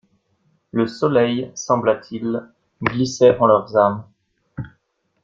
Le soleil, sembla-t-il, glissait en leurs âmes.